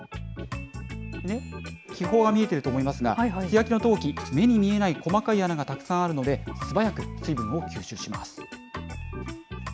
気泡が見えてると思いますが、素焼きの陶器、目に見えない細かい穴がたくさんあるので、素早く水分を吸収します。